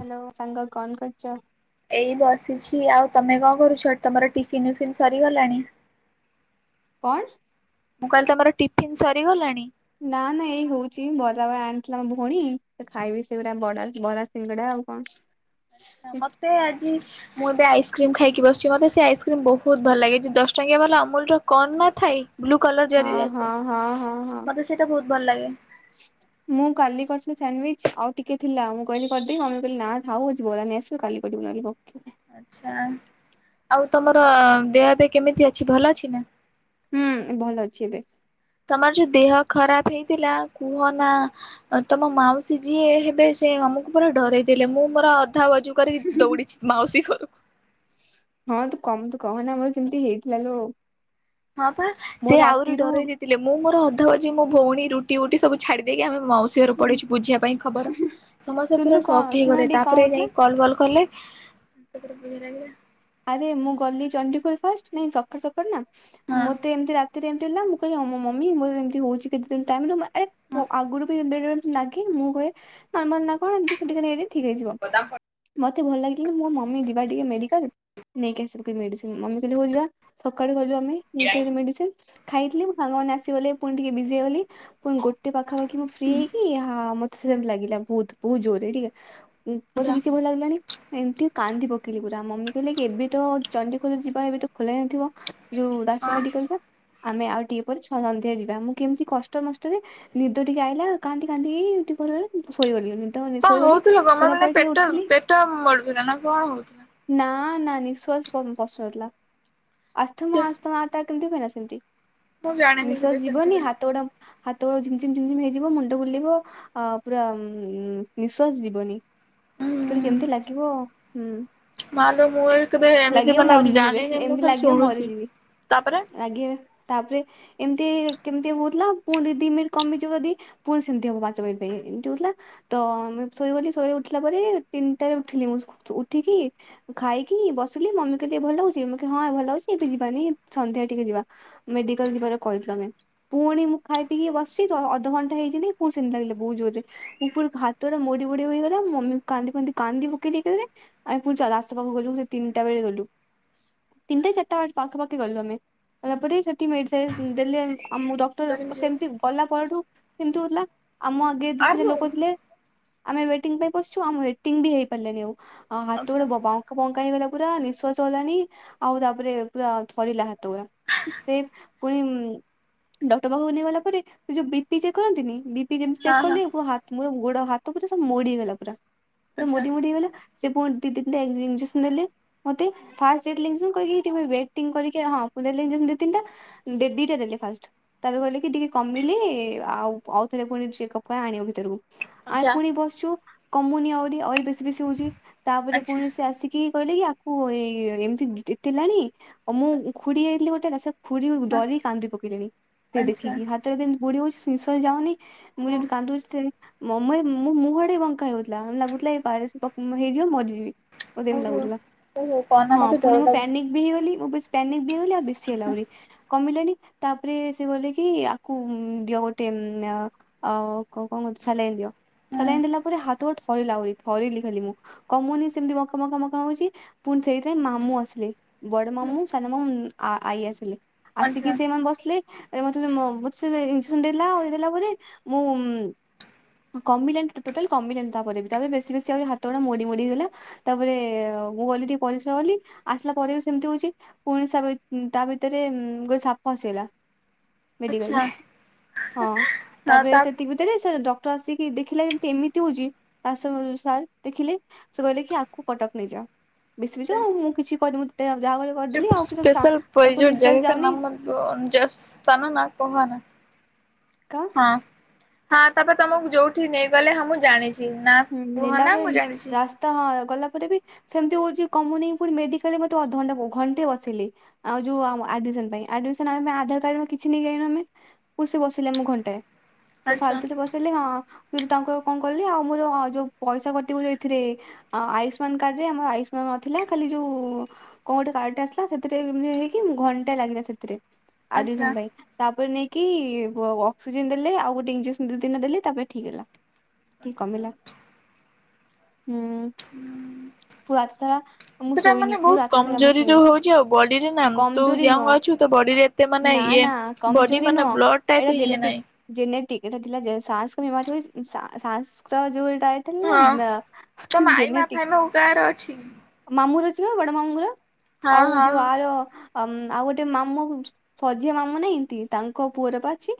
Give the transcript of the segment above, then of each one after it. Hello ସାଙ୍ଗ କଣ କରଚ? ଏଇ ବସିଛି। ଆଉ ତମେ କଣ କରୁଚ ତମର ଟିଫିିନ ବିଫିିନ ସରିଗଲାଣି? କଣ? ମୁଁ କଇଲି ତମର ଟିଫିନ ସରିଗଲାଣି? ନା ନା ଏଇ ହଉଚି ବରା ବା ଆଣିଥିଲା ଭଉଣୀ ଖାଇବି ସେଗୁରା ବ ବରା ସିଙ୍ଗଡା ଆଉ କଣ। ଆଚ୍ଛା ମତେ ଆଜି ମୁଁ ଏବେ ଆଇସ୍କ୍ରିମ୍ ଖାଇକି ବସିଛି ମତେ ସେ ଆଇସ୍କ୍ରିମ ବହୁତ ଭଲ ଲାଗେ ଯ ଦଶ ଟଙ୍କିଆ ବାଲା ଅମୁଲ ର କନ୍ ନଥାଏ। ବ୍ଲୁ କଲର୍ ହଁ ଜରିରେ ଆସେ ହଁ ହଁ ହଁ ହଁ। ମୋତେ ସେଇଟା ବହୁତ ଭଲ ଲାଗେ। ମୁଁ କାଲି କରିଥିଲି ସାଣ୍ଡିୱିଚ ଆଉ ଟିକେ ଥିଲା ମୁଁ କିଲି କରିଦବି ମମୀ କହିଲି ନା ଥାଉ ଆଜି ବରା ନେଇଆଶ୍। [unintelligible] ଆଛା ଆଉ ତମର ଦେହ ଏବେ କେମିତି ଅଛି ଭଲ ଅଛି ନା। ହୁଁ ଭଲ ଅଛି ଏବେ। ତମର ଯୋଉ ଦେହ ଖରାପ ହେଇଥିଲା କୁହ ନା ତମ ମାଉସୀ ଯିଏ ହେବେ ସେ ଆମକୁ ପୁରା ଡରେଇ ଦେଲେ ମୁଁ ମୋର ଅଧା କରି ଦଉଡ଼ିଛି ମାଉସି ଘର କୁ। ହଁ ତୁ କମ ତୁ କହନା ମୋର କେମିତି ହେଇଥିଲା ଲୋ। ହଁ ପା ମୋ ସେ ଆହୁରି ରାତିରୁ ଡ଼ରେଇ ଦେଇଥିଲେ ମୁଁ ମୋର ଅଧା ଭାଜି ମୋ ଭଉଣୀ ରୁଟି ଉଟି ସବୁ ଛାଡି ଦେଇକି ଆମେ ମାଉସୀ ଘର ପଡିଛି ବୁଝିବା ପାଇଁ ଖବର। ସମସ୍ତେ ଶୁଣୁନୁ ପୁରା କଣ ସକ୍ ଶୁଣ ହେଇଗଲେ ଟିକେ କଣ ତାପରେ ହଉଥିଲା ଯାଇ କଲ୍ ବଲ୍ କଲେ। ଆରେ ମୁଁ ଗଲି ଚଣ୍ଡିଖୋଲ ଫାଷ୍ଟ ନାଇଁ ସକାଳୁ ସକାଳୁ ନା ମତେ ଏମିତି ତିରେ ଏମତି ହେଲା ମୁଁ କହିଲି ହ ମମି ମୁଁ ଏମିତି ହୋଉଛି କେତେ ଦିନ ଟାଇମ ନେବି ଆରେ ଆଗରୁ ବି ବେଳେ ବେ ଲାଗି ମୁଁ କହେ ନମାଲ ନ କନ ସେଠିକ ନେଇ ଏ ଠିକ୍ ହେଇଯିବ। ମତେ ଭଲ ଲାଗିଲା ମୋ ମମି ଯିବା ଟିକେ ମେଡିକାଲ। ନେଇକି ଆସିବୁ କି ମେଡ଼ିସିନ୍ ମମି ହଉ ଯିବା ସକାଳୁ ଆମେ ନେଇକି ଆସିଲୁ ମେଡ଼ିସିନ୍। ଖାଇଥିଲି ମୁଁ ମୋ ସାଙ୍ଗମାନେ ଆସିଗଲେ ପୁଣି ଟିକେ ବିଜି ହେଇଗଲି ପୁଣି ଗୋଟେ ପାଖାପାଖି ମୁଁ ଫ୍ରି ହେଇକି ହା ମ ସେମିତି ଲାଗିଲା ବହୁତ ବହୁତ ଜୋରେ ଟିକେ ମତେ କିଛି ଭଲ ଲାଗିଲାନି। ଏମିତି କାନ୍ଦିବ ପକେଇଲି ପୁରା ମମି କହିଲେ କି ଏବେ ତ ଚଣ୍ଡିଖୋଲ ଯିବା ଏବେ ତ ଖୋଲା ହେଇନଥିବ। ଯୋଉ ଦାସ ମେଡିକାଲଟା ଆମେ ଆଉ ଟିକିଏ ପରେ ଛଅ ସନ୍ଧ୍ୟା ଯିବା ମୁଁ କେମିତି କଷ୍ଟମଷ୍ଟରେ ନିଦ ଟିକେ ଆଇଲା କାନ୍ଦି କାନ୍ଦି ଟିକେ ଶୋଇଗଲି। ହଁ ଶୋଇଗଲି। ହଉଥିଲା ଗମେ ଶୋଇଲା ମାନେ ପରେ ଟିକେ ପେଟ ଉଠିଲି ପେଟ ମଡୁଥିଲା ନା କଣ ହଉଥିଲା? ନା ନା ନିଃଶ୍ୱାସ ପ ପଶୁ ନଥିଲା। ଆସ୍ ଥ ମଁ ଆ ତ ମା ଟା କେମିତି ହୁଏନା ସେମିତି ମୁଁ ଜାଣିନି କେବେ ନିଶ୍ୱାସ ସେମିତି ହୁଁ ଯିବନି ହାତ ଗୁଡା ହାତ ଗୁଡ଼ ଝିମଝିମ ହେଇଯିବ ମୁଣ୍ଡ ବୁଲିବ। ଆ ପୁରା ନିଶ୍ଵାସ ଯିବନି କିନ୍ତୁ କେମିତି ଲାଗିବ ହୁଁ। ମା ଲୋ ମୁଁ ଏ କେବେ ଏମିତି ଲାଗିବ ମାନେ ମରିଯିବେ ଜାଣିନି ମୁଁ ତ ଏମିତି ଖାଲି ଶୁଣୁଛି ମରିଯିବି ତାପରେ ଲାଗିବ। ତାପରେ ଏମିତି କେମିତି ହଉଥିଲା ପୁଣି ଦି ମିନିଟ କମିଯିବ ଯଦି ପୁଣି ସେମିତି ହବ ପାଞ୍ଚ ମିନିଟ୍ ପାଇଁ ଏମିତି ହେଉଥିଲା। ତ ଶୋଇଗଲି ଶୋଇ ଉଠିଲା ପରେ ତିନିଟାରେ ଉଠିଲି ମୁଁ ଉଠିକି ଖାଇକି ବସିଲି ମମି କହିଲେ ଭଲ ଲାଗୁଛି ମୁଁ କହିଲି ହଁ ଭଲ ଲାଗୁଛି ଏବେ ଯିବାନି ସନ୍ଧ୍ୟା ଟିକେ ଯିବା। ମେଡିକାଲ ଯିବାର କହିଥିଲୁ ଆମେ। ପୁଣି ମୁଁ ଖାଇ ପିଇ ବସିଛି ତ ଅଧଘଣ୍ଟା ହେଇଛି କି ନାହିଁ ପଣି ସେମିତି ଲାଗିଲ ବହୁତ ଜୋର ସେ ମୁଁ ପୁଣି। [unintelligible] ସେପାକୁ ଗଲୁ ସେତିନିଟା ବେଳେ ଗଲୁ। ତିନିଟା ଚାରିଟା ବେ ପାଖାପଖି ଗଲୁ ଆମେ ତାପରେ ସେଠି ମେଡ଼ିସିନ୍ ଦେଲେ ଆମ ସେମିତି ଗଲା ପରଠୁ ସେମତି ହଉଥିଲା ଆମ ଆଗେ ଦି ତିନିଟା ଆଲୋ ଲୋକ ଥିଲେ। ଆମେ ୱେଟିଂ ପାଇଁ ବସିଛୁ ଆମ ୱେଟିଂ ବି ହେଇ ପାରିଲଣି ଆଉ ହାତ ଆଚ୍ଛା ଗୋଡ ବ ବ ବଙ୍କା ହେଇଗଲା ପୁରା ନିଶ୍ୱାସ ଗଲାଣି ଆଉ ତାପରେ ପୁରା ଥରିଲା। ସେ ପୁଣି ଡକ୍ଟର ପାଖକୁ ନେଇ ଗଲା ପରେ ସେ ଯୋଉ ବି ପି ଚେକ କରନ୍ତିନିି ବି ପି ଯେମିତି ଚେକ୍ ହଁ ହଁ କଲି ମୋର ଗୋଡ ହାତ ପୁରା ସବୁ ମୋଡି ହେଇଗଲା ପୁରା ପୁରା ଆଚ୍ଛା ମୋଡି ମୋଡି ହେଇଗଲା। ସେ ପୁଣି ଦି ତିନଟା ଇଞ୍ଜେକ୍ସନ ଦେଲେ ମତେ ଫାଷ୍ଟ କହିଲେ କି ୱେଟିଙ୍ଗ କରିକି ହଁ ଦେଲେ ଇଞ୍ଜେକସନ ଦି ତିନଟା ଦିଟା ଦେଲେ ଫାଷ୍ଟ। ତାରେ କହିଲେ କି ଟିକେ କମିଲେ ଆଉ ଆଉ ଥିଲେ ପୁଣି ଚେକ ପାଇଁ ଆଣିବ ଭିତରକୁ। ଆମେ ଆଚ୍ଛା ପୁଣି ବସଛୁ କମୁନିଆହୁରି ଆହୁରି ବେଶୀ ବେଶୀ ହଉଛି ତାପରେ ଆଚ୍ଛା ପୁଣି ସେ ଆ କି-କହିଲେ କି ଆକୁ ଏଇ ଏମିତି ଥିଲାଣି ଆଉ ମୁଁ ଖୁଡି ଯାଇଥିଲେ ଗୋଟେ ଖୁଡ଼ି ହଁ ଡରି କାନ୍ଦି ପକେଇଲେଣି ସେ ଆଚ୍ଛା ଦେଖିକି ହାତରେ ବି ବୁଡି ହଉଚି ନିଶ୍ୱାସ ଯାଉନି ମୁଁ ହଁ ଯଦି କାନ୍ଦୁଚି ସେ ମୋ [unintelligible] ମୁଁହ ବଙ୍କା ହେଉଯାଉଥିଲା ଲାଗୁଥିଲା ପାରାଲିସ୍। [unintelligible] ହେଇଯିବ ମରିଯିବି ମତେ ଏମିତି ଓହୋ ଲାଗୁଥିଲା ଓହୋ କହନା ହଁ ମତେ ଡର ପୁଣି ମୁଁ ପାନିକ୍ ଲାଗୁଛି। ବି ହେଇଗଲି ମୁଁ ବେଶୀ ପାନିକ୍ ବି ହେଇଗଲି ଆଉ ବେଶୀ ହେଲା ଆହୁରି କମିଲାନି ତାପରେ ସେ କହିଲେ କି ଆକୁ ଉଁ- ଦିଅ ଗୋଟେ ଉଁ -ଆ ଆଉ କ-କଣ କହୁଚନ୍ତି ସାଲାଇନ୍ ଦିଅ। ସାଲାଇନ୍ ଦେଲା ପରେ ହାତ ଗୋଡ ଥରିଲା ଆହୁରି ଥରିଲି ଖାଲି ମୁଁ କମୁନି ସେମିତି ବକ୍ ବଙ୍କା- ବଙ୍କା ହଉଚି ପୁଣି ସେଇଥିପାଇଁ ମାମୁଁ ଆସିଲେ ବଡ ମାମୁଁ, ସାନ ମାମୁଁ, ଆଈ ଆସିଲେ। ଆଚ୍ଛା ଆସିକି ସେମାନେ ବସିଲେ ଏ ମତେ ଯଉ ମ -ମତେ ସେ ଇଞ୍ଜେକ୍ସନ ଦେଲା ଆଉ ଦେଲା ପରେ ମୁଁ କମିଲାନି ତ ଟୋଟାଲି କମିଲାନି ତାପରେ ବି ତାପରେ ବେଶୀ ବେଶୀ ଆହୁରି ହାତ ଗୁଡା ମୋଡି ମୋଡି ହେଇଗଲା ତାପରେ ମୁଁ ଗଲି ଟିକେ ପରିସ୍ରା ଗଲି ଆସିଲା ପରେ ବି ସେମିତି ହଉଚି ପୁଣି ସା- ବି- ଉଁ- ତା ଭିତରେ ଉଁ- ଗୋଟେ ସାପ ଆସିଗଲା ମେଡିକାଲରେ ଆଚ୍ଛା ହଁ ହଁ ତାପରେ ତା ସେତିକି ଭିତ୍ ରେ ସେ ଡକ୍ଟର ଆସିକି ଦେଖିଲେ ଯେମତି ଏମିତି ହଉଚି ଆସ ସାର୍ ଦେଖିଲେ ସେ କହିଲେ କି ଆକ୍ କୁ କଟକ୍ ନେଇଯାଅ ବେଶୀ [unintelligible] ଆଉ ମୁଁ କିଛି କରିବି ତ ଯାହା ସେ କରିଦେଲି ପେସ୍ ଆଉ କିଛି ସ୍ପେଶାଲ୍ ପଇ ତାକୁ ଯୋଉ ନିଶ୍ୱାସ ଜାଗା [unintelligible] ଯାଉନି କାଁ ହଁ- ହଁ ତାପରେ ତମକୁ ଯଉଠି କି ନେଇଗଲେ ହଁ ମୁଁ ଜାଣିଚି। ବି ନା କୁହ ନା ମୁଁ ଜାଣିଚି। ତ ହଁ ଗଲା ପରେ ବି ସେମିତି ହଉଚି କମୁନି ପୁଣି ମେଡିକାଲରେ ମତେ ଅଧଘଣ୍ଟା ବୋଉ ଘଣ୍ଟେ ବସିଲି ଆଉ ଯଉ ଆମ -ଆଡମିସନ୍ ପାଇଁ ଆଡମିସନ୍ ଆମ ଆଧାର କାର୍ଡର କିଛି ନେଇ ଜାଇନୁ ଆମେ ପୁସି ବସିଲେ ଆମକୁ ଘଣ୍ଟେ ସେ ଆଚ୍ଛା ଫାଲତୁ ରେ ବସେଇଲେ ହଁ [unintelligible] ତାଙ୍କୁ କଣ କହିଲେ ଆଉ ମୋର ଅ- ଯଉ ପଇସା କଟିବ ଯଉ ଏଥିରେ ଅ -ଆୟୁଷ୍ମାନ କାର୍ଡ ରେ ଆମର ଆୟୁଷ୍ମାନ ନଥିଲା ଖାଲି ଯଉ କଣ ଗୋଟେ କାର୍ଡ ଟା ଆସିଲା ସେଥିରେ ଏମିତି ହେଇକି ଘଣ୍ଟେ ଲାଗିଲା ସେଥିରେ ଆଚ୍ଛା ଆଡମିସନ୍ ପାଇଁ। ତାପରେ ନେଇକି ଅ- ଅକ୍ସିଜେନ୍ ଦେଲେ ଆଉ ଗୋଟେ ଇଞ୍ଜେକ୍ସନ୍ ଦି ତିନଟା ଦେଲେ ତାପରେ ଠିକ୍ ହେଲା। ଟିକେ ଆଚ୍ଛା କମିଲା ହୁଁ। ହୁଁ। ପୁରା ରାତି ସାରା ମୁଁ ସେଟା ଶୋଇନି ମାନେ ପୁରା ବହୁତ୍ ରାତି ସାରା ମୁଁ କମଜୋରି ରୁ ଶୋଇନି ହଉଚି ଆଉ ବଡିରେ ନା ତୁ କମଜୋରି ନୁହଁ। [unintelligible] ଅଛୁ ତ ବଡିରେ ଏତେ ମାନେ ନା ଇଏ ନା ବଡି ମାନେ ବ୍ଲଡ୍ ଟା ଏତେ ଇଏ ନାଇଁ ଜିନେଟିକ୍ ଏଟା ଥିଲା ଯେ -ଶାଂସ୍ ବିମାରି ସା- ସା -ସାଂସ୍ ର ଯଉ ଏଟା ଏ ଥେଲା ହଁ ନା ତମ ଆଇମା ଜେନେଟିିକ୍ ଫାଇମା କାହାର ଅଛି? ମାମୁଁର ଝିଅ ବଡ ମାମୁଁଙ୍କର ହଁ ଆଉ ହଁ ଯଉ ହଁ। ଆର ଆମ୍- ଆଉ ଗୋଟେ ମାମୁଁ ମଝିଆ ମାମୁଁ ନାହାଁନ୍ତି ତାଙ୍କ ପୁଅର ପା ଅଛି।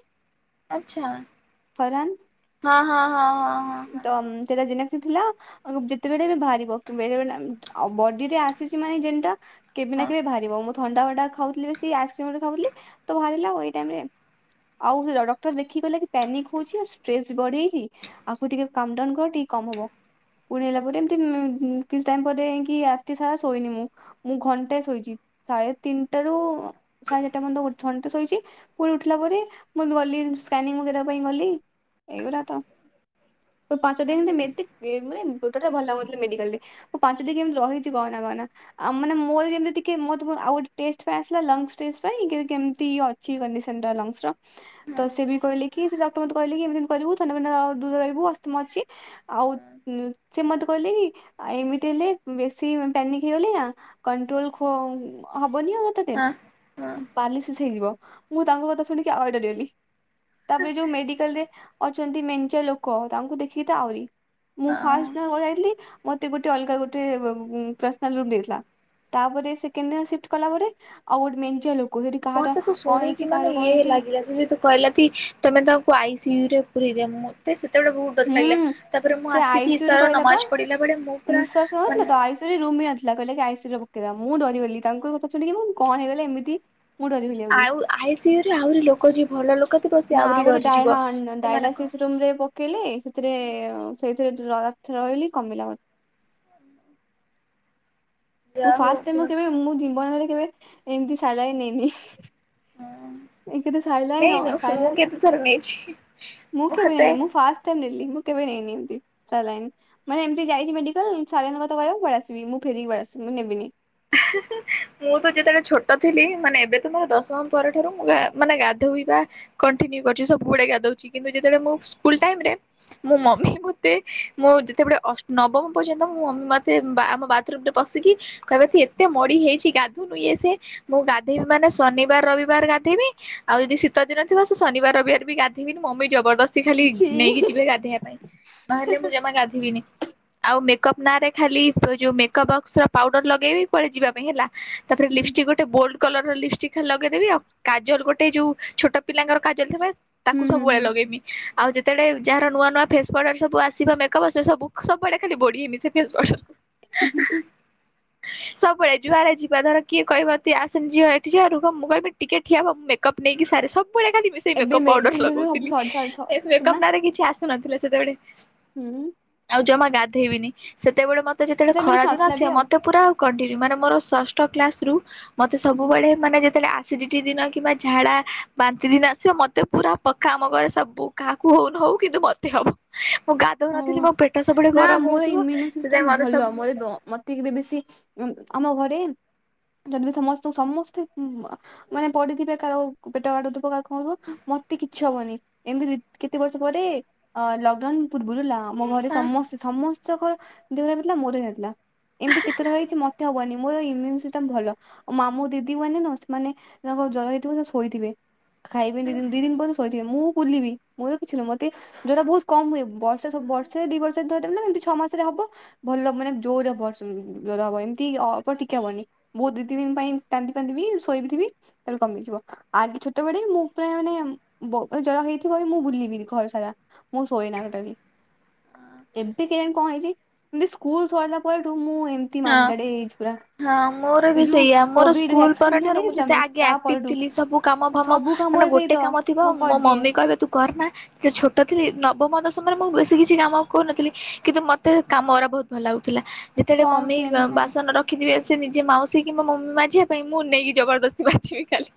ଆଛା ହଁ ଫରହାନ। -ହଁ- ହଁ -ହଁ -ହଁ। ତ ଉଁ- ସେଟା ଜେନେଟିକ୍ ଥିଲା ଆ -ଯେତେବେଳେ ବି ବାହାରିବ ବେଳେବେଳେ ଆଉ ବଡିରେ ଆସିଚି ମାନେ ଜିନ୍ ଟା କେବେ ନା କେବେ ବାହାରିବ ମୁଁ ଥଣ୍ଡା ଫଣ୍ଡା ଖାଉଥିଲି ବେଶି ଆଇସକ୍ରିମ ଖାଉଥିଲି ତ ବାହାରିଲା ଆଉ ଏଇ ଟାଇମ୍ ରେ। ଆଉ ହେଲା ଡକ୍ଟର ଦେଖି କହିଲା କି ପ୍ୟାନିକ୍ ହଉଚି ଆଉ ଷ୍ଟ୍ରେସ୍ ବି ବଢିଯାଇଚି ଆକୁ ଟିକେ କାମଡାଉନ୍ କର ଟିକେ କମ୍ ହବ। ପୁଣି ହେଲା ପରେ ଏମିତି ଉଁ- କିଛି ଟାଇମ୍ ପରେ ଜାଇକି ରାତି ସାରା ଶୋଇନି ମୁଁ। ମୁଁ ଘଣ୍ଟେ ଶୋଇଚି ସାଢ଼େ ତିନିଟା ରୁ ସାଢ଼େ ଚାରିଟା ପର୍ଯ୍ୟନ୍ତ ଉଠନ୍ତ୍- ଘଣ୍ଟେ ଶୋଇଚି ପୁଣି ଉଠିଲା ପରେ ମୁଁ ଗଲି ସ୍କାନିଂ ୱଗେରା ପାଇଁ ଗଲି ଏଇଗୁରା ତ ତ ପାଞ୍ଚ ଦିନରେ ମେ ତେ ଏ ମାନେ ଉଁ- ବ ଟୋଟାଲ୍ ଭଲ ଲାଗୁନଥିଲା ମେଡିକାଲ ରେ ମୁଁ ପାଞ୍ଚ ଦିନ୍ କେମିତି ରହିଚି କହନା କହନା। ଆଉ ମାନେ ମୋର ଯେମିତି ଟିକେ ମୋର ତ ଆଉ ଗୋଟେ ଟେଷ୍ଟ ପାଇଁ ଆସିଲା ଲଙ୍ଗ୍ସ୍ ଟେଷ୍ଟ୍ ପାଇଁ କେମିତି ଇଏ ଅ କିଛି ବି କଂଡିସନ ର ଲଙ୍ଗ୍ସ୍ ର ତ ସେ ବି କହିଲେ କି ସେ ଡକ୍ଟର ମତେ କହିଲେ କି ଏମିତି ଏମତି କରିବୁ ଥଣ୍ଡା ଫଣ୍ଡା ଆଉ ଦୂରରେ ରହିବୁ ଆସ୍ତମା ଅଛି ଆଉ ଉଁ ସେ ମତେ କହିଲେ କି ଏମିତି ହେଲେ ବେଶୀ ପ୍ୟାନିକ ହେଇଗଲେ ନା କଣ୍ଟ୍ରୋଲ ଖୋ ହବନି ଅଉ ଏତେ ଦିନ। ହଁ ହଁ ପାରାଲିସିସ ହେଇଯିବ ମୁଁ ତାଙ୍କ କଥା ଶୁଣିକି ଆଉରି ଡରିଗଲି। ତାପରେ ଯୋଉ ମେଡିକାଲ ରେ ଅଛନ୍ତି ମେନ୍ଚେ ଲୋକ କ ତାଙ୍କୁ ଦେଖିକି ତ ଆହୁରି ମୁଁ ହଁ। ଫାଷ୍ଟ ଯାଇଥିଲି। ମତେ ଗୋଟେ ଅଲଗା ଗୋଟେ ପର୍ସନାଲ ରୁ ଦେଇଥିଲା। ତାପରେ ସେକେଣ୍ଡ ସିପ୍ଟିଫ୍ କଲା ପରେ ଆଉ ଗୋଟେ ମେନ୍ଚେ ଲୋକ ସେଠି କାହାର ମତେ ସୁ କଣ ହେଇଛି ଶୁଣିକି ମାନେ କାହାର କଣ ଇଏ ହେଇଛି ଲାଗିଲା ସେତ କହିଲା କି ତମେ ତାଙ୍କୁ ଆଇ ସିୟୁ ରେ ପୁରେଦିଅ ମୁ ସେତେବେଳେ ବହୁତ ଡର ଲାଗିଲା ହୁଁ ତାପରେ ମୁଁ ସେ ଆସିକି ଆଇସିୟୁ ରୁ ଇସାର କହିଲା ପା ନମାଜ ପଢିଲା ବେଳେ ମୁଁ ପୁରା ମାନେ ସେ ରୁମି ନଥିଲା କହିଲେ ଆଇସିୟୁ ପକେଇଦବା ମୁଁ ଡରି ଗଲି ତାଙ୍କ କଥା ଶୁଣିକି ମୁ କଣ ହେଇଗଲି ଏମିତି ମୁଁ ଡରିଗଲି ଆହୁରି ଆଉ ଆଇ ସୟୁ ରେ ଆହୁରି ଲୋକ ଯିଏ ଭଲ ଲୋକ ଥିବ ସିଏ ନା ଆ ଆହୁରି ଗୋଟେ ଡରିଯିବ। ଡହା ସେମାନଙ୍କ ଡାଇଲାସିସ୍ ରୁମ ରେ ପ ପକେଇଲେ ସେଥିରେ ସେଇଥିରେ ରହିଲି କମିଲା ମତେ ହୁଁ ମୁଁ ଫାଷ୍ଟ ଟାଇମ କେ ମୁଁ ଜୀବନରେ କେବେ ଏମତି ସାଲାଇନ୍ ନେଇନି। ଏକ ତ ସାଇ ଲାନ ନାଇଁ ମୁଁ ସାଇଲା କେତେ ଥର ନେଇଛି ମୁଁ କିବେ ମତେ ଫାଷ୍ଟ ଲି ମୁଁ କେବେ ନେ ନି ଏମିତି ସାଲାଇନ୍। ମାନେ ଏମିତି ଯାଇଚି ମେଡିକାଲ ସାଲାଇନ କଥାକହିବ ପଳେ ଆସିବି ମୁଁ ଫେରିକି ପଳା ଆସିବି ମୁଁ ନେବିନି। ମୁଁ ତ ଯେତେବେଳେ ଛୋଟ ଥିଲି ମାନେ ଏବେ ତ ମୋର ଦଶମ ପର ଠାରୁ ମୁଁ ମାନେ ଗାଧୋଇବା କେଣ୍ଟିନ୍ କର୍ଚି ସବୁୁଡେ ଗାଦୋଉଚି କିନ୍ତୁ ଯେତେଳେ ମୁଁ ସ୍କୁଲ ଟାଇମ ରେ ମୁଁ ମମି ମୋତେ ମୁଁ ଯେତେବେଳେ ଅଷ୍ଟ ନବମ ପର୍ଯ୍ୟନ୍ତ ମୁଁ ମମି ମୋତେ ଆମ ବାଥରୁମରେ ପଶିକି କହିବ ଏତେ ମଡି ହେଇଚି ଗାଧୁନୁ ଇ ସେ ମୁଁ ଗାଧେଇବି ମାନେ ଶନିବାର ରବିବାର ଗାଧେଇବି। ଆଉ ଯଦି ଶୀତଦିନ ଥିବ ସେ ଶନିବାର ରବିବାର ବି ଗାଧେଇବି ମମି ଜବରଦସ୍--' ସେ ଖାଲି ଛି ନେଇକି ଯିବେ ଗାଧେଇବା ପାଇଁ ନହେଲେ ମୁଁ ଜମା ଗାଧେଇବିନି। ଆଉ ମେକପ୍ ନାଁ ରେ ଖାଲି ଯୋଉ ମେକପ୍ ବକ୍ସ ର ପାଉଡର ଲଗେଇବି। ପରେ ଯିବା ପାଇଁ ହେଲା ତାପରେ ହୁଁ ଲିପଷ୍ଟିକ୍ଟେ ଗୋଟେ ବୋଲଡ କଲର ଲିପଷ୍ଟିକ ଲଗେଇଦେବି ଆଉ କାଜଲ ଗୋଟେ ଯୋଉ ଛୋଟ ପିଲାଙ୍କର କାଜଲ ଥିବ ତାକୁ ହୁଁ ସବୁବେଳେ ହୁଁ ଲଗେଇବି। ଆଉ ଯେତେବେଳେ ଯାହାର ନୂଆ ନୂଆ ଫେସ ପ୍ରଡ ସବୁ ଆସିବା ମେକପ୍ ସବୁ ସବୁଆଡେ ଖାଲି ବଳିହେମି ସେ କେ ଅ ସବୁବେଳେ ଯୁଆରେ ଯିବା ଧର କିଏ କହିବିେ ଆସନ ଝିଅ ଏଠିିବ ରୁହ ମୁଁ କିବି ଟିକେ ଠିଆ ହେବଁ ମେକଅପ୍ ନେଇକି ସାର ସବୁ। ସବୁଳେ କାଲି ସେଇ ଏବେ ମେକଅପ୍ ପାଉଡର ମେଡିସିନ ଫେଡିସିନ ସବୁ ଲଗଉଥିଲି ସରି ସରି ସ ସରିନା ମେକପ୍ ନାଁରେ କିଛି ଆସୁନଥିଲା ସେତେବେଳେ। ହୁଁ। ଆଉ ଜମା ଗାଧେଇବିନି ସେତେବେଳେ ମତେ ଯେତେବେଳେ ସେତେବେଳେ ଖରା କିଛି ଦିନ ନଥିଲା ବି ଆସେ ଆଉ ମତେ ପୁରା କନ୍ଟିୟୁ ମାନେ ମୋର ଷଷ୍ଟ ସ୍କାସ୍ ରୁ ମତେ ସବୁବେଳେ ମାନେ ଯେ ବେଳେ ଆସିଡିଟି ଦିନ କିମ୍ବା ଝାଡ଼ା ବାନ୍ତି ଦିନ ଆସିବ ମତେ ପୁରା ପକା ଆମ ଘରେ ସବୁ କାହାକୁ ହଉନ ହଉ କିନ୍ତୁ ମତେ ହବ ମୁଁ ଗା ଓ ଦେଉନଥିଲି ମୋ ପେଟ ସବୁବେଳେ ନା ଗରମ ମୋର ରହୁଥିବ ସେଥିପାଇଁ ମୋତେ ସବୁ ଏତିକି ବି ବେଶୀ ଆମ ଘରେ ଯଦି ବି ସମସ୍ତଙ୍କୁ ସମସ୍ତେ ଉମ୍ ମାନେ ପଡିଥିବେ କାହାର ପେଟ କାଟୁଥିବ କାହା ହଁ ହ ମତେ କିଛି ହବନି ଏମିତି କେତେ ବର୍ଷ ପରେ ଲକ୍ଡାଉନ ପୂର୍ବରୁ ଲା ମୋ ଘରେ ସମସ୍ତେ ସମସ୍ତଙ୍କ ଦେହରେ ହେଇଥିଲା ମୋର ହେଇନଥିଲା ଏମ୍ତି କେତେ ଥର ହେଇଛି ମତେ ହବନି। ମୋର ଇମ୍ୟୁ ସିଷ୍ଟମ ଭଲ ମାମୁ ଦିଦି ମାନେ ନା ସେମାନେ ତାଙ୍କ ଜର ହେଇଥିବ ସେ ଶୋଇଥିବେ। ଖାଇବେନି ଦି ଦିନ୍ ପର୍ଯ୍ୟନ୍ତ ଶୋଇଥିବେ ମୁଁ ବୁଲିବି ମୋର କିଛି ନୁହଁ ମତେ ଜୋଉଟା ବୋହୁତ୍ କମ୍ ହୁଏ। ସେ ସବୁ ବର୍ଷେ ଦି ବର୍ଷ ଧରିଲେ ଏମ୍ତି ଛଅ ମାସରେ ହବ। ଭଲ ମାନେ ଜୋରେ ହବ ଜୋର୍ ହବ ଏମ୍ତି ଅଳ୍ପ ଟିକେ ହବନି। ବୋହୁତ୍ ଦି ତିନ୍ ଦିନ୍ ପାଇଁ କାନ୍ଦି କନ୍ଦିବି ଶୋଇବି ଥିବି ତା ପରେ କମିଯିବ। ଆଗେ ଛୋଟ ବଳେ ମୁଁ ପୁରା ମାନେ ବ ଜର ହେଇଥିବ ମୁଁ ବୁଲିବି ଘର ସାରା। ମୁଁ ଶୋଏନା ଟୋଟାଲି। ଏବେ କେୟାଣି କଣ ହେଇଛି ଏମତି ସ୍କୁଲ ସରିଲା ପରଠୁ ମୁଁ ଏମତି ହଁ ମାନ୍ଦାଳିଆ ହେଇ ଯାଇଛି ପୁରା। ହଁ ମୋର ଏଇ ବି ଯୋଉ ସେଇଆ ମୋର କୋଭିଡ ସ୍କୁଲ ଭ୍ୟାକ୍ସିନ ପର ଠାରୁ ମୁଁ ନେଇନଥିଲୁ ଯେତେ ଆମେ ଆଗେ ତା ଆକ୍ଟିଭ ପରଠୁ ଥିଲି ସବୁ କାମ ଭାମ ସବୁ ମାନେ କାମରେ ଗୋଟେ ସେଇତ କାମ ଥିବ ମୁଁ ମୋ କରିଦିଏ ମମି କହିବେ ତୁ କରନା ସେ ଛୋଟ ଥିଲି ନବମ ଦଶମରେ ମୁଁ ବେଶୀ କିଛି କାମ କରୁନଥିଲି କିନ୍ତୁ ମତେ କାମ ଉରା ବହୁତ ଭଲ ଲାଗୁଥିଲା। ସମ୍ ସେମ୍ ସେମ୍। ସନ ରଖିଥିବେ ସେ ନିଜେ ମାଉସୀ କି ମୋ ମମି ମାଜିବା ପାଇଁ ମୁଁ ନେଇକି ଜବରଦସ୍ତି ମାଜିବି ଖାଲି।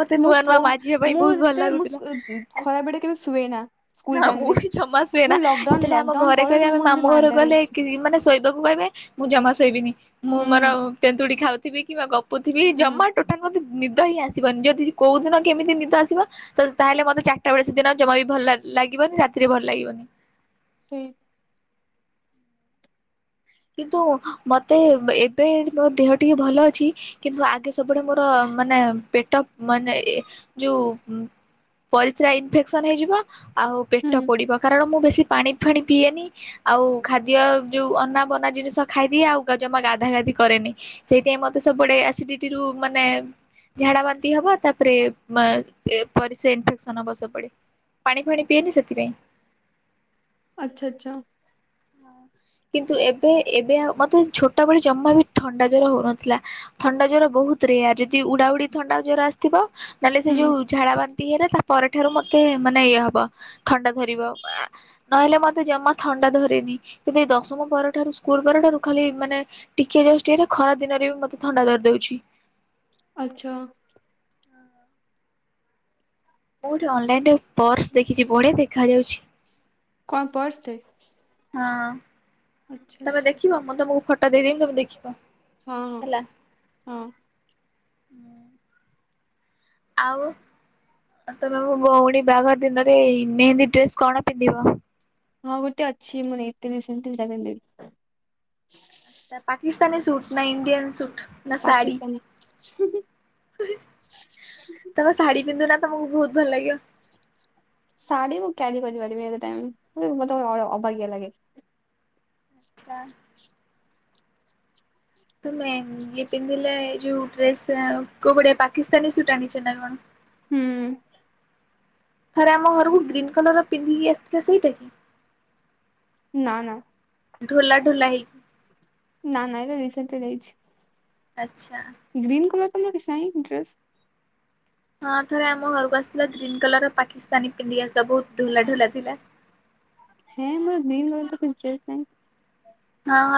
ମତେ ମୁଁ ନୂଆ ସୋ ନୂଆ ମାଜିବା ପାଇଁ ମୁଁ ବହୁତ ଭଲ ଯେତେବେଳେ ମୁଁ ଲାଗୁଥିଲା ଖରା ବେଳେ କେବେ ଶୁଏ ନା। ଆ ସ୍କୁଲ ହଁ ଟାଇମ ମୁଁ ରେ ବି ଜମା ସୁଏନା ମୁଁ ଲକଡାଉନ ଯେତେବେଳେ ଆମ ଲକଡାଉନ ଘରେ କହିବେ ପରଠୁ ଆମେ ମୁଁ ଏମିତି ମାମୁ ଘର ମାନ୍ଦାରେ ଗଲେ ହେଇଛି କି ମାନେ ଶୋଇବାକୁ କହିବେ ମୁଁ ଜମା ଶୋଇବିନି ମୁଁ ମୋର ହୁଁ ତେନ୍ତୁଡି ଖାଉଥିବି କିମ୍ବା ଗପୁଥିବି ହୁଁ। ଜମା ଟୋ ଟାଲ ମୋତେ ନିଦ ହିଁ ଆସିବନି ଯଦି କୋଉଦିନ କେମିତି ନିଦ ଆସିବ ତ ତାହେଲେ ମତେ ଚାରିଟା ବେଳେ ସେଦିନ ଜମା ବି ଭଲ ଲାଗ ଲାଗିବନି ରାତିରେ ଭଲ ଲାଗିବନି। ସେଇ କିନ୍ତୁ ମତେ ଏବେ ମୋ ଦେହ ଟିକେ ଭଲ ଅଛି କିନ୍ତୁ ଆଗେ ସବୁବେଳେ ମୋର ମାନେ ପେଟ ପ ମାନେ ଇଏ ଯୋଉ ଉଁ ପରିସ୍ରା ଇନଫେକ୍ସନ ହେଇଯିବ ଆଉ ପେଟ ପୋଡିବ କାରଣ ମୁଁ ବେଶୀ ପାଣି ଫାଣି ପିଏନି ଆଉ ଖାଦ୍ୟ ଯୋଉ ଅନା ବନା ଜିନିଷ ଖାଇଦିଏ ଆଉ ଗା ଜମା ଗାଧାଗାଧି କରେନି। ସେଇଥିପାଇଁ ମତେ ସବୁବେଳେ ଏସିଡିଟି ରୁ ମାନେ ଝାଡାବାନ୍ତି ହବ ତାପରେ ବା ଏ ପରିଶ୍ରା ଇନଫେକ୍ସନ ହବ ସବୁବେଳେ। ପାଣି ଫାଣି ପିଏନି ସେଥିପାଇଁ। ଆଚ୍ଛା ଆଚ୍ଛା। କିନ୍ତୁ ଏବେ ଏବେ ଆଉ ମତେ ଛୋଟବେେଳେ ଜମା ବି ଥଣ୍ଡା ଜର ହଉନଥିଲା। ଥଣ୍ଡା ଜର ବହୁତ ରେୟାର ଯଦି ଉଡା ଉଡି ଥଣ୍ଡା ଜର ଆସଥିବ ନହେଲେ ସେ ଯୋଉ ଝାଡା ବାନ୍ ବାନ୍ତି ହେଲା ତାପର ଠାରୁ ମତେ ମାନେ ଇଏ ହବ ଥଣ୍ଡା ଧରିବ ଆ ନହେଲେ ମତେ ଜମା ଥଣ୍ଡା ଧରିନି କିନ୍ତୁ ଏ ଦଶମ ପରଠାରୁ ସ୍କୁଲ ପରଠାରୁ ଖାଲି ମାନେ ଟିକିଏ ଯଷ୍ଟ ଇଏ ରେ ଖରା ଦିନରେ ବି ମତେ ଥଣ୍ଡା ଧରି ଦଉଚି। ଆଛା। ମୁଁ ଗୋଟେ ଅନଲାଇନ ରେ ପର୍ସ ଦେଖିଛି ବଢ଼ିଆ ଦେଖା ଯାଉଛି। କଣ ପର୍ସ ଟେ ହଁ ଆଚ୍ଛା ତମେ ଆଚ୍ଛା ଦେଖିବ ମୁଁ ତମକୁ ଫଟୋ ଦେଇଦେମି ତମେ ଦେଖିବ। ହଁ ହେଲା ହଁ। ଆଉ ତ ତମେ ମୋ ଭଉଣୀ ବାହାଘର ଦିନରେ ମେହେନ୍ଦୀ ଡ୍ରେସ କଣ ପିନ୍ଧିବ। ହଁ ଗୋଟେ ଅଛି ମୁଁ ନେଇଥିଲି ସେମିତି ସେକୁ ପିନ୍ଧିବି। ସେ ପାକିସ୍ତାାନୀ ସୂଟ ନା ଇଣ୍ଡିିୟନ ସୂଟ। ନା ସାଢି ପାକିସ୍ତାନୀ। ତାଙ୍କ ଶାଢୀ ପିନ୍ଧୁ ନା ତମକୁ ବହୁତ ଭଲ ଲାଗିବ। ଶାଢ଼ୀ ମୁଁ କ୍ୟାରି କରିପାରିବିନି ଏତେ ଟାଇମ୍ ମତେ ବଡ ଅ ଅବାଗିଆ ଲାଗେ। ଆଚ୍ଛା। ତମେ ଇଏ ପିନ୍ଧିଲେ ଏ ଯୋଉ ଡ୍ରେସ୍ କୋଉ ଭଳିଆ ପାକିସ୍ତାନୀ ସୁଟ ଆଣିଛ ନା କଣ। ହୁଁ। ଥରେ ଆମ ଘରକୁ ଗ୍ରୀନ୍ କଲରର ପିନ୍ଧିକି ଆସିଥିଲ ସେଇଟା କି? ନା ନା। ଢୋଲା ଢୋଲା ହେଇ ନା ନା ଏଟା ରିସେଣ୍ଟଟେଡ ହେଇଚି। ଆଚ୍ଛା। ଗ୍ରୀନ କଲର ତମର କିଛି ନାହିଁ ଡ୍ରେସ୍। ହଁ ଥରେ ଆମ ଘରକୁ ଆସିଥିଲା ଗ୍ରୀନ୍ କଲର ପାକିସ୍ତାନୀ ପିନ୍ଧିକ ଆସଥିଲା ବହୁତ ଢୋଲା ଢୋଲା ଥିଲା। ହେଁ ମୋର ଗ୍ରୀନ୍ କଲର୍ ତ କିଛି ଡ୍ରେସ୍ ନାହିଁ। ହଁ